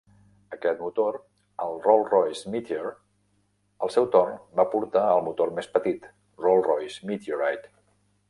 Aquest motor, el Rolls-Royce Meteor, al seu torn va portar al motor més petit Rolls-Royce Meteorite.